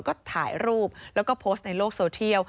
ก็ถ่ายรูปแล้วก็โพสต์ในโลกโซเทียล